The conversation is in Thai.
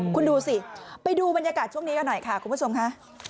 คุณดูสิไปดูบรรยากาศช่วงนี้กันหน่อยค่ะคุณผู้ชมค่ะ